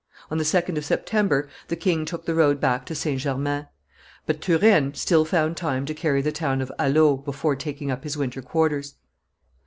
On the 2d of September, the king took the road back to St. Germain; but Turenne still found time to carry the town of Alost before taking up his winter quarters.